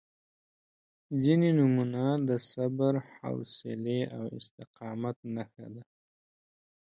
• ځینې نومونه د صبر، حوصلې او استقامت نښه ده.